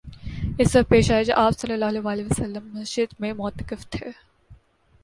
اس وقت پیش آیا جب آپ صلی اللہ علیہ وسلم مسجد میں معتکف تھے